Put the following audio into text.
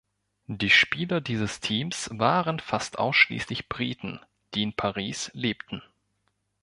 Die Spieler dieses Teams waren fast ausschließlich Briten, die in Paris lebten.